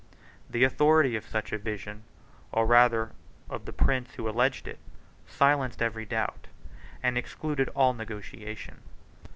The authority of such a vision, or rather of the prince who alleged it, silenced every doubt, and excluded all negotiation.